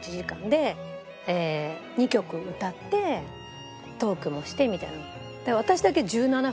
２曲歌ってトークもしてみたいな。